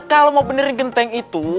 kalau mau benerin genteng itu